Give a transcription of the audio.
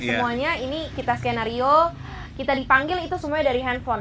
semuanya ini kita skenario kita dipanggil itu semuanya dari handphone